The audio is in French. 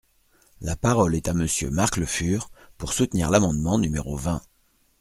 La parole est à Monsieur Marc Le Fur, pour soutenir l’amendement numéro vingt.